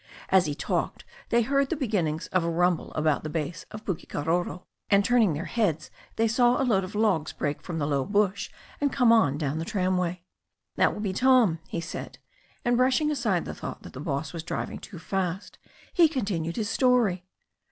As he talked they heard the beginnings of a rumble about the base of Pukekaroro, and turning their heads, they saw a load of logs break from the low bush and come on down the tram way. "That will be Tom," he said, and brushing aside the thought that the boss was driving too fast, he continued his story.